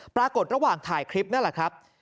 ปรากฏระหว่างถ่ายคลิปนั่นแหละครับ